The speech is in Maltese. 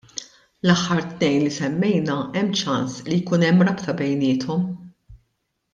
L-aħħar tnejn li semmejna hemm ċans li jkun hemm rabta bejniethom.